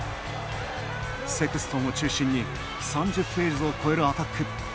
セクストンを中心に３０フェーズを超えるアタック。